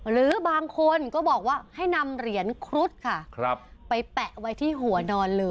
หรือบางคนก็บอกว่าให้นำเหรียญครุฑค่ะไปแปะไว้ที่หัวนอนเลย